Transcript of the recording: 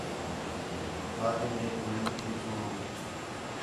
حاکمیک محنت تی چُݨو